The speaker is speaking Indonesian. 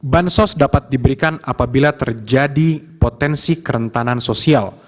bansos dapat diberikan apabila terjadi potensi kerentanan sosial